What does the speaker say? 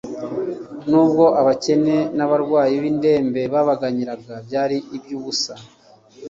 Nubwo abakene n'abarwayi b'indembe babaganyiraga byari iby'ubusa.